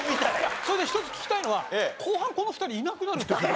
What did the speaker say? それで一つ聞きたいのは後半この２人いなくなるって。